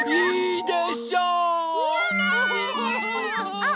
あっ！